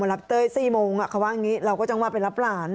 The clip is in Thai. รับเต้ย๔โมงเขาว่าอย่างนี้เราก็จังหวะไปรับหลาน